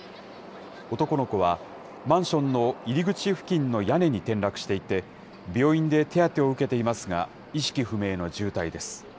男の子は、マンションの入り口付近の屋根に転落していて、病院で手当てを受けていますが、意識不明の重体です。